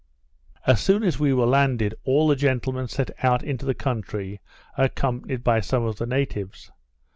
As soon as we were landed; all the gentlemen set out into the country, accompanied by some of the natives.